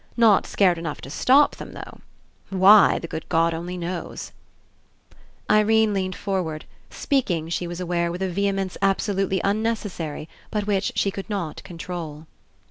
Not scared enough to stop them, though. Why, the good God only knows." 96 RE ENCOUNTER Irene leaned forward, speaking, she was aware, with a vehemence absolutely un necessary, but which she could not control.